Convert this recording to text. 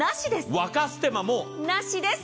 沸かす手間もなしです！